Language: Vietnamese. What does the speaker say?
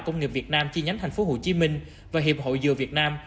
công nghiệp việt nam chi nhánh tp hcm và hiệp hội dừa việt nam